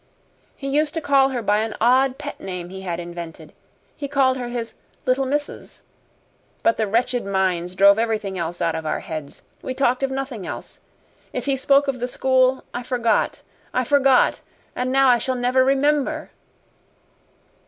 "He used to call her by an odd pet name he had invented. He called her his 'Little Missus.' But the wretched mines drove everything else out of our heads. We talked of nothing else. If he spoke of the school, I forgot I forgot. And now I shall never remember."